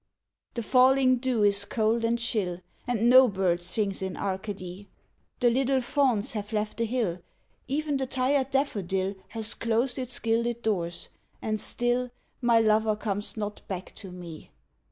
The falling dew is cold and chill, And no bird sings in Arcady, The little fauns have left the hill, Even the tired daffodil Has closed its gilded doors, and still My lover comes not back to me.